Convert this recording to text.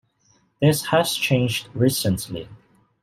This has changed recently.